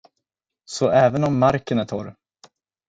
Så även om marken är torr.